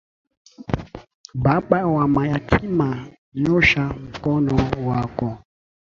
Baba wa mayatima nyosha mkono wako.